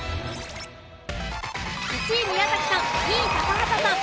１位宮崎さん２位高畑さん。